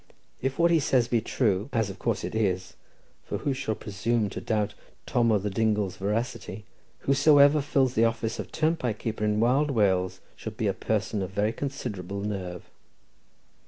If what he says be true, as of course it is—for who shall presume to doubt Tom O' the Dingle's veracity?—whosoever fills the office of turnpike keeper in Wild Wales should be a person of very considerable nerve.